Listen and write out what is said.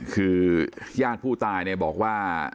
คือย่างผู้ตายบอกว่า